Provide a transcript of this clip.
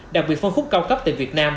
đặc biệt phân khúc cao cấp tại việt nam